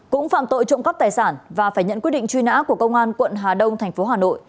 cũng phạm tội trộm cắp tài sản và phải nhận quyết định truy nã của công an quận hà đông tp hà nội